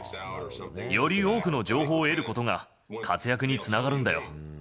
より多くの情報を得ることが、活躍につながるんだよ。